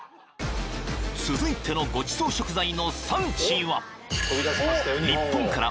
［続いてのごちそう食材の産地は？］